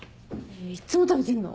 いっつも食べてんの？